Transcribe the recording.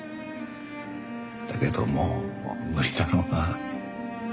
だけどもう無理だろうな。